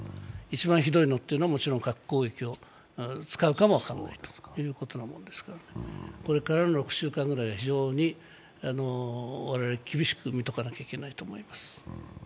一番ひどいのというのはもちろん核攻撃を使うかもわからないということですからこれからの６週間ぐらいは非常に我々、厳しく見ておかないといけないと思います。